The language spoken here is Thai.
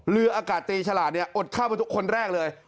เรืออากาศตรีฉลาดเนี่ยอดฆ่าคนแรกเลย